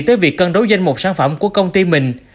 tới việc cân đấu danh một sản phẩm của công ty mình